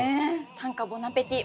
「短歌ボナペティ」